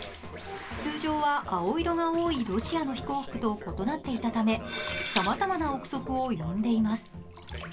通常は青色が多いロシアの飛行服と異なっていたため、さまざまな憶測を呼んでいます。